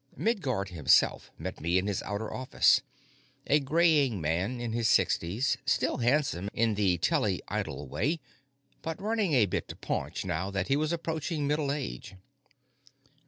Midguard himself met me in his outer office a graying man in his sixties, still handsome in the telly idol way, but running a bit to paunch now that he was approaching middle age.